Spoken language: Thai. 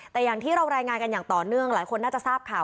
แต่อย่างที่เรารายงานกันอย่างต่อเนื่องหลายคนน่าจะทราบข่าว